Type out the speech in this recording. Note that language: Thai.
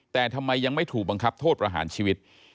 แต่ทำไมยังไม่ถูกบังคับโทษประหารชีวิต